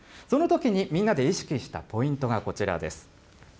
そのときにみんなで意識したポイントがこちらです。